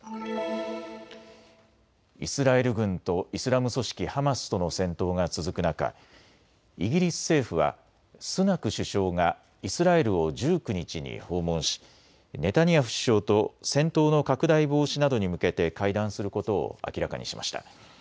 イスラエル軍とイスラム組織ハマスとの戦闘が続く中、イギリス政府はスナク首相がイスラエルを１９日に訪問しネタニヤフ首相と戦闘の拡大防止などに向けて会談することを明らかにしました。